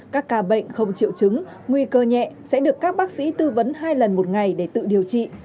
các ca bệnh không triệu chứng nguy cơ nhẹ sẽ được các bác sĩ tư vấn hai lần một ngày để tự điều trị